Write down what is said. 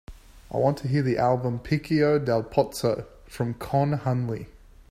I want to hear the album Picchio Dal Pozzo from Con Hunley